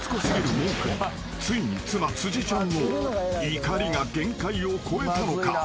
文句についに妻辻ちゃんの怒りが限界を超えたのか？］